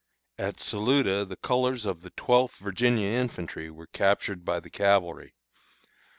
"At Saluda the colors of the Twelfth Virginia Infantry were captured by the cavalry.